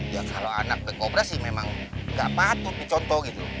ya kalau anak back up nya sih memang nggak patut dicontoh gitu